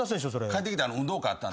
帰ってきたら運動会あった。